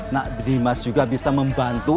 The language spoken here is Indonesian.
nah dimas juga bisa membantu